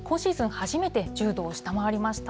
初めて１０度を下回りました。